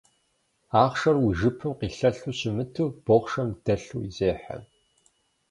Ахъшэр уи жыпым къилъэлъу щымыту, бохъшэм дэлъу зехьэ.